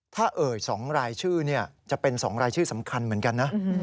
ถ้าเอ่ย๒รายชื่อจะเป็น๒รายชื่อสำคัญเหมือนกันนะ